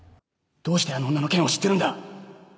どうしてあの女の件を知ってるんだ！？